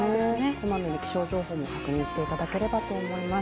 こまめに気象情報も確認していただければと思います。